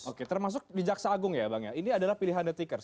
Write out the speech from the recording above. oke termasuk di jaksa agung ya bang ya ini adalah pilihan the tickers